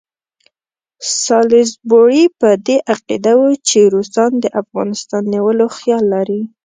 سالیزبوري په دې عقیده وو چې روسان د افغانستان نیولو خیال لري.